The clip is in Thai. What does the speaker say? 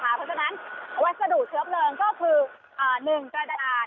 เพราะฉะนั้นวัสดุเชื้อเบลิงก็คือหนึ่งจริง